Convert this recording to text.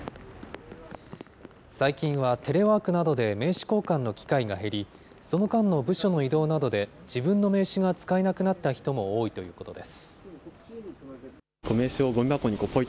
最近は、テレワークなどで名刺交換の機会が減り、その間の部署の異動などで、自分の名刺が使えなくなった人も多いということです。